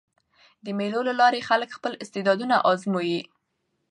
د مېلو له لاري خلک خپل استعدادونه آزمويي.